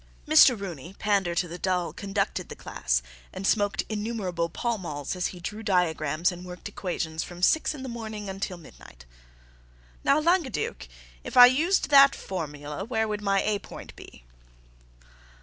Mr. Rooney, pander to the dull, conducted the class and smoked innumerable Pall Malls as he drew diagrams and worked equations from six in the morning until midnight. "Now, Langueduc, if I used that formula, where would my A point be?"